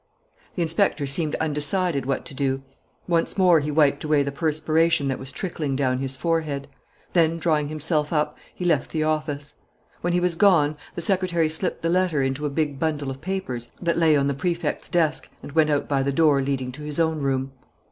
The inspector seemed undecided what to do. Once more he wiped away the perspiration that was trickling down his forehead. Then, drawing himself up, he left the office. When he was gone the secretary slipped the letter into a big bundle of papers that lay on the Prefect's desk and went out by the door leading to his own room.